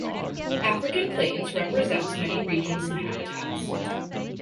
African Plains represents many regions and habitats.